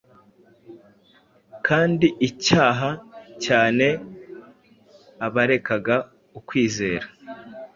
kandi acyaha cyane abarekaga ukwizera